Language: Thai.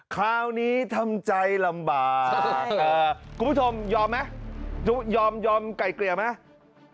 คราวนี้ทำใจลำบากคุณผู้ชมยอมไหมยอมยอมไก่เกลี่ยไหม